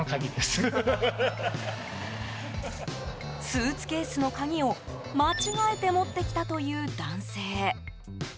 スーツケースの鍵を間違えて持ってきたという男性。